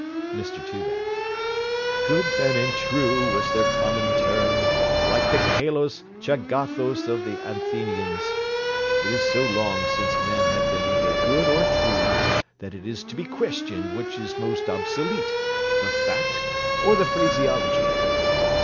MR TOOBAD 'Good men and true' was their common term, like the chalos chagathos of the Athenians. It is so long since men have been either good or true, that it is to be questioned which is most obsolete, the fact or the phraseology.